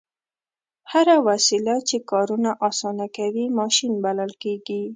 هره وسیله چې کارونه اسانه کوي ماشین بلل کیږي.